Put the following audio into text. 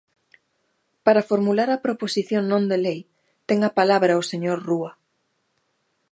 Para formular a proposición non de lei ten a palabra o señor Rúa.